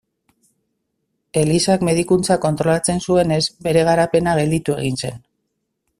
Elizak medikuntza kontrolatzen zuenez, bere garapena gelditu egin zen.